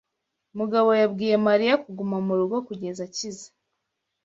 Mugabo yabwiye Mariya kuguma mu rugo kugeza akize.